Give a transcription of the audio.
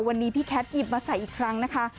วันนี้พี่แคทหยิบมาใส่อีกครั้งนะคะ